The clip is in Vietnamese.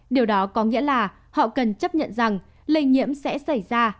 điều đó có nghĩa là họ cần chấp nhận rằng lây nhiễm sẽ xảy ra